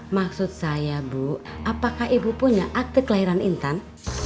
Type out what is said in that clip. maksud saya bu apakah ibu punya akte kelahiran intan